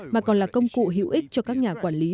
mà còn là công cụ hữu ích cho các nhà quản lý